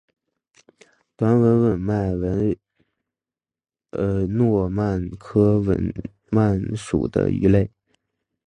短吻吻鳗为糯鳗科吻鳗属的鱼类。